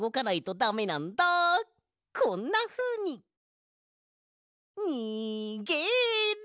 こんなふうに！にげろ！